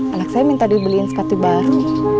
anak saya minta dibeliin sepatu baru